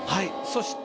そして。